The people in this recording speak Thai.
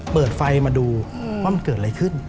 เปิดไฟมาดูว่ามันเกิดอะไรขึ้น